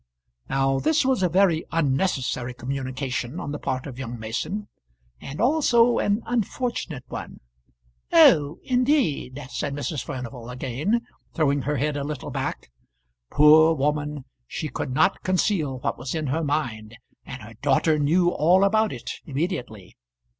Now this was a very unnecessary communication on the part of young Mason, and also an unfortunate one. "Oh! indeed," said Mrs. Furnival again, throwing her head a little back. Poor woman! she could not conceal what was in her mind, and her daughter knew all about it immediately.